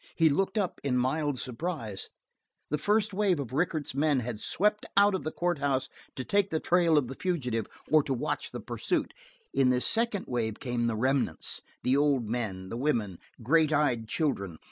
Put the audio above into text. He looked up in mild surprise; the first wave of Rickett's men had swept out of the courthouse to take the trail of the fugitive or to watch the pursuit; in this second wave came the remnants, the old men, the women; great eyed children.